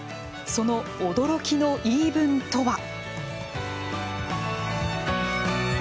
その驚きの言い分とは。